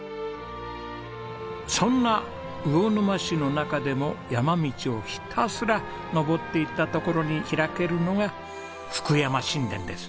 そんな魚沼市の中でも山道をひたすら登っていった所に開けるのが福山新田です。